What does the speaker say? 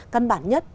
căn bản nhất